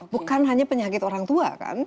bukan hanya penyakit orang tua kan